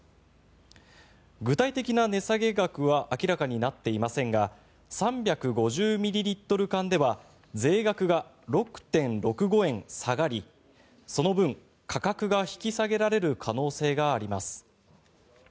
具体的な値下げ額は明らかになっていませんが３５０ミリリットル缶では税額が６．６５円下がりその分、価格が引き下げられる可能性があります。